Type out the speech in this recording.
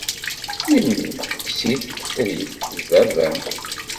Memmi-m, kkes-it, ffer-it, d baba-m.